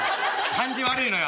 感じ悪いのよ